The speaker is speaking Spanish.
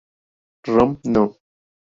Room No.